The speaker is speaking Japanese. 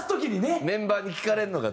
メンバーに聞かれるのがっていう事？